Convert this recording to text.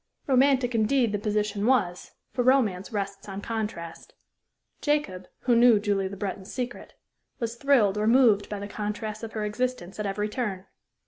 Romantic, indeed, the position was, for romance rests on contrast. Jacob, who knew Julie Le Breton's secret, was thrilled or moved by the contrasts of her existence at every turn.